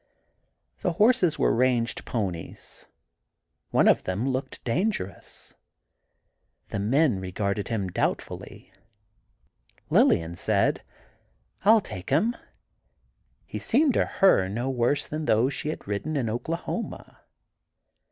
The horses were range ponies—one of them looked dangerous. The men regarded him doubtfully. Lillian said, "I'll take him." He seemed to her no worse than those she had ridden in Oklahoma.